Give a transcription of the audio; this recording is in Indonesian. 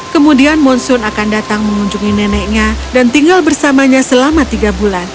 kemudian monsun akan datang mengunjungi neneknya dan tinggal bersamanya selama tiga bulan